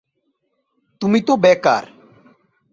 তুমি তো বেকার।